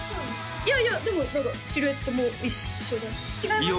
いやいやでも何かシルエットも一緒だし違いますよ